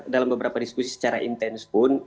dalam beberapa diskusi secara intens pun